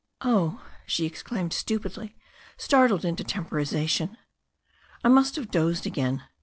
"Oh," she exclaimed stupidly, startled into temporization. "I must have dozed again."